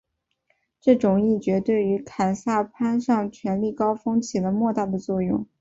这种议决对于凯撒攀上权力高峰起了莫大的作用。